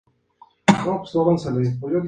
Nació en el estado sureño de Georgia.